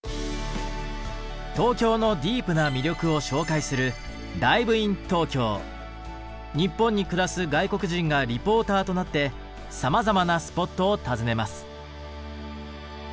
東京のディープな魅力を紹介する日本に暮らす外国人がリポーターとなってさまざまなスポットを訪ねます。